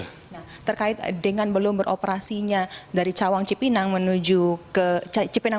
nah terkait dengan belum beroperasinya dari cawang cipinang menuju ke cipinang